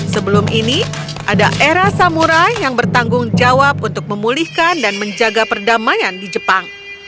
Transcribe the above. sebelum ini ada era samurai yang bertanggung jawab untuk memulihkan dan menjaga perdamaian di jepang